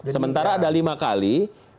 sementara ada lima kali